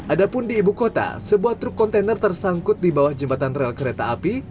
ada pun di ibu kota sebuah truk kontainer tersangkut di bawah jembatan rel kereta api